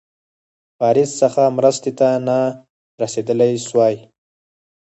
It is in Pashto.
پاریس څخه مرستي ته نه رسېدلای سوای.